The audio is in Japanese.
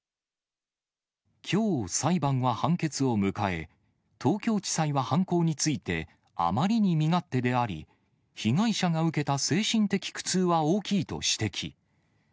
きょう、裁判は判決を迎え、東京地裁は犯行について、あまりに身勝手であり、被害者が受けた精神的苦痛は大きいと指摘。